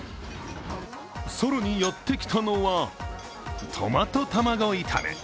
更にやってきたのはトマト玉子炒め。